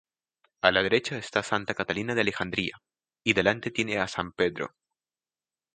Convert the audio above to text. A la derecha está santa Catalina de Alejandría, y delante tiene a san Pedro.